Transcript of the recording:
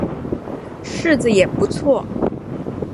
柿子也不错